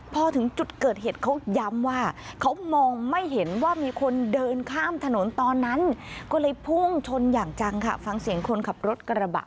พอถึงจุดเกิดเหตุเขาย้ำว่าเขามองไม่เห็นว่ามีคนเดินข้ามถนนตอนนั้นก็เลยพุ่งชนอย่างจังค่ะฟังเสียงคนขับรถกระบะ